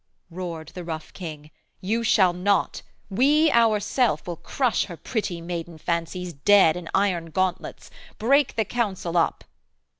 Roared the rough king, 'you shall not; we ourself Will crush her pretty maiden fancies dead In iron gauntlets: break the council up.'